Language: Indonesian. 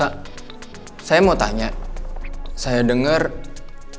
tapi va ternyata nggak ada bakal ada spon n roma